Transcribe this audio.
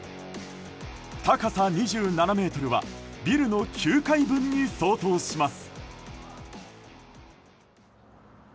高さ２７ｍはビルの９階分に相当します。